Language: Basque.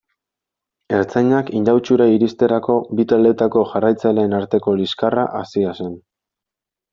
Ertzainak Indautxura iristerako, bi taldeetako jarraitzaileen arteko liskarra hasia zen.